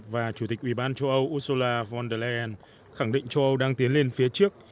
và chủ tịch ủy ban châu âu ursula von der leyen khẳng định châu âu đang tiến lên phía trước